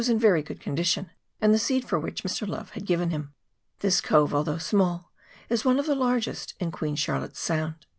121 in very good condition, and the seed for which Mr. Love had given him. This cove, although small, is one of the largest in Queen Charlotte's Sound.